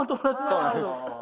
そうなんですよ